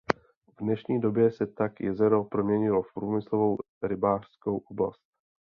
V dnešní době se tak jezero přeměnilo v průmyslovou rybářskou oblast.